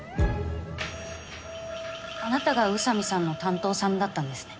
あなたが宇佐美さんの担当さんだったんですね。